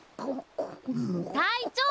たいちょう！